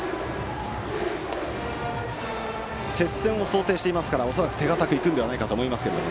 接戦を想定していますから恐らく手堅く行くとは思います。